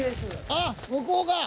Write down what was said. あっ向こうが？